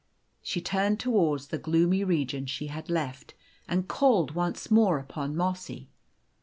She turned towards the gloomy region she had left, and called once more upon Mossy.